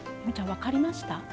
分かりました。